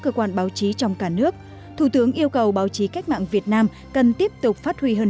cơ quan báo chí trong cả nước thủ tướng yêu cầu báo chí cách mạng việt nam cần tiếp tục phát huy hơn